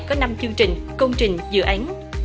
có năm chương trình công trình dự án